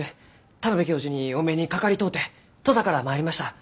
田邊教授にお目にかかりとうて土佐から参りました。